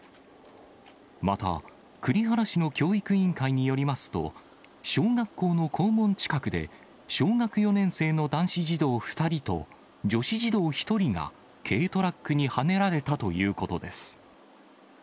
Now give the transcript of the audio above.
また、栗原市の教育委員会によりますと、小学校の校門近くで、小学４年生の男子児童２人と女子児童１人が、軽トラックにはねられたということです。